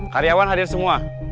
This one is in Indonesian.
karyawan hadir semua